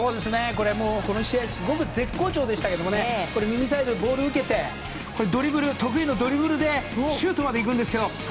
この試合絶好調でしたけど右サイドでボールを受けて得意のドリブルでシュートまでいくんですけど。